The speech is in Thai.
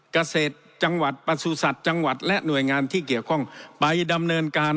เกษตรจังหวัดประสุทธิ์จังหวัดและหน่วยงานที่เกี่ยวข้องไปดำเนินการ